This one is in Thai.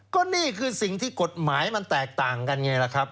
ก็นี่คือสิ่งที่กฎหมายมันแตกต่างกันไงล่ะครับ